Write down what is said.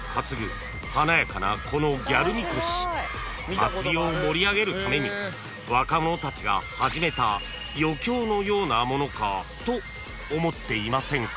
［祭りを盛り上げるために若者たちが始めた余興のようなものかと思っていませんか？］